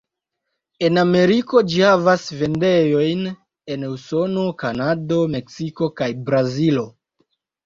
En Ameriko ĝi havas vendejojn en Usono, Kanado, Meksiko kaj Brazilo.